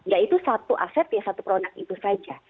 ya itu satu aset ya satu produk itu saja